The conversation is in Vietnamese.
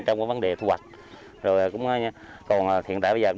trong vấn đề thu hoạch